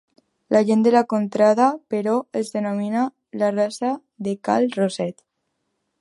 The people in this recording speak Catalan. La gent de la contrada, però, els denomina la Rasa de Cal Roset.